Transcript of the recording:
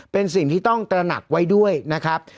เป็นสิ่งที่ต้องตระหนักไว้ด้วยนะครับ